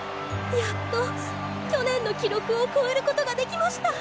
やっと去年の記録を超えることができました！